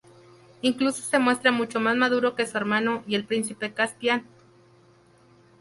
Incluso se muestra mucho más maduro que su hermano y el príncipe Caspian.